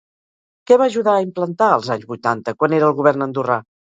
Què va ajudar a implantar als anys vuitanta quan era al govern andorrà?